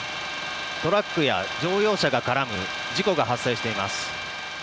トラックや乗用車が絡む事故が発生しています。